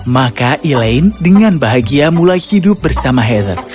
maka elaine dengan bahagia mulai hidup bersama heather